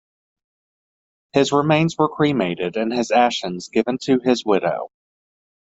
His remains were cremated and his ashes given to his widow.